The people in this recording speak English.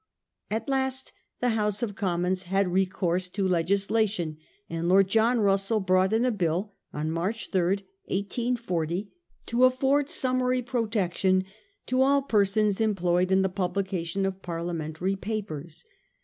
. At last the House of Commons had recourse to legislation, and Lord John Russell brought in a bill on March 3, 1840, to afford summary protection to all persons employed in the publication of Parliamentary papers.